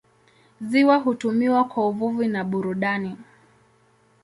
Ziwa hutumiwa kwa uvuvi na burudani.